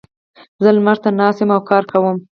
زه لمر ته ناست یم او کار کوم.